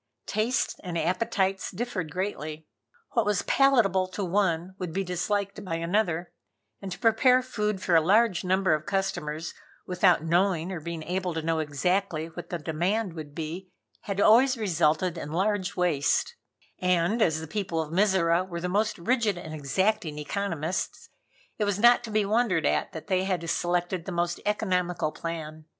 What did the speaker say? Tastes and appetites differed greatly. What was palatable to one would be disliked by another, and to prepare food for a large number of customers, without knowing or being able to know exactly what the demand would be, had always resulted in large waste, and as the people of Mizora were the most rigid and exacting economists, it was not to be wondered at that they had selected the most economical plan.